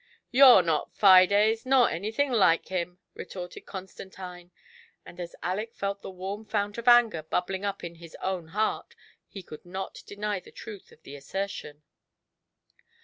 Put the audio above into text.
*' You're not Fides, nor anything like him!*' retorted Constantine ; and as Aleck felt the warm fount of Anger bubbling up in his own heart, he could not deny the truth of the assertion.